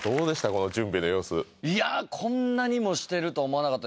この準備の様子